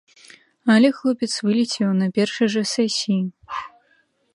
Але хлопец вылецеў на першай жа сесіі.